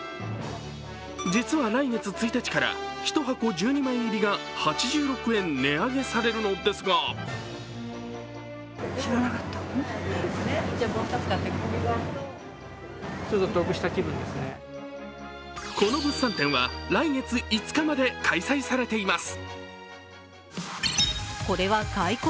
実は来月１日から、１箱１２枚入りが８６円値上げされるのですがこの物産展は来月５日まで開催されています。